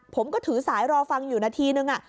ผมก็ถือสายรอฟังอยู่นาทีนึง